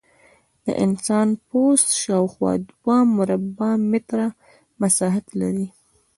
د انسان پوست شاوخوا دوه مربع متره مساحت لري.